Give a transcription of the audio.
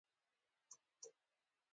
غول د خوړو په ډول پورې تړلی دی.